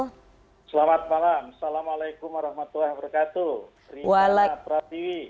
selamat malam assalamualaikum warahmatullahi wabarakatuh